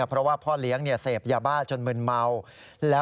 เพราะว่าพ่อเลี้ยงเหลียนเซฟยาเป๊ะจนเหมือนเมา